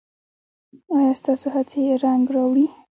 ایا ستاسو هڅې رنګ راوړي؟